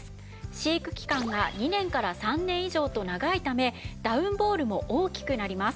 飼育期間が２年から３年以上と長いためダウンボールも大きくなります。